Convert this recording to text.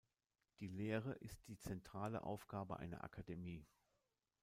Die Lehre ist die zentrale Aufgabe einer Akademie.